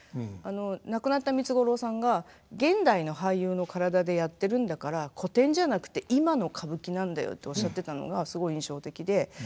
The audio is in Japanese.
亡くなった三津五郎さんが「現代の俳優の体でやってるんだから古典じゃなくて今の歌舞伎なんだよ」っておっしゃってたのがすごい印象的で。